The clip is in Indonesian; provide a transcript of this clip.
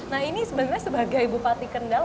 nah ini sebenarnya sebagai bupati kendal